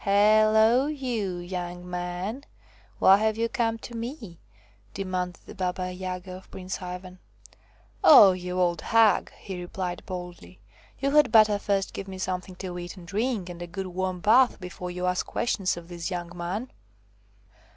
" Hello, you, young man ! why have you come to me ?' demanded the Baba Yaga of Prince Ivan. " Oh you old hag !' he replied boldly, " you had better first give me something to eat and drink, and a good warm bath, before you ask questions of this young man